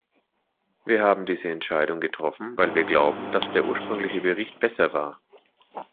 Wir haben diese Entscheidung getroffen, weil wir glauben, dass der ursprüngliche Bericht besser war.